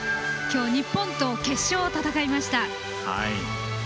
今日日本と決勝を戦いました。